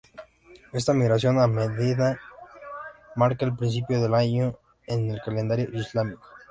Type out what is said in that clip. Esta migración a Medina marca el principio del año en el calendario islámico.